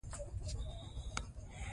ظرفیت علاقه؛ ظرف ذکر سي مراد ځني مظروف يي.